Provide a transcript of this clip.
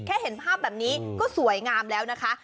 เห็นภาพแบบนี้ก็สวยงามแล้วนะคะ